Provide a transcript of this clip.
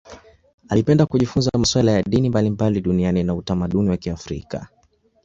Alipenda kujifunza masuala ya dini mbalimbali duniani na utamaduni wa Kiafrika.